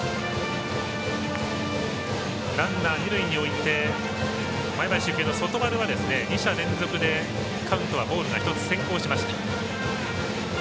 ランナーを二塁において前橋育英の外丸は２者連続でカウントはボールが１つ先行しました。